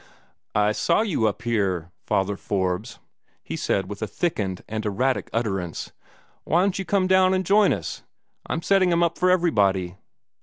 "I saw you up here, Father Forbes," he said, with a thickened and erratic utterance. "Whyn't you come down and join us? I'm setting 'em up for everybody.